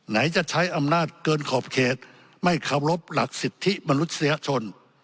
ไหนจะใช้อำนาจเกินขอบเขตไม่เคารพหลักสิทธิมนุษยชน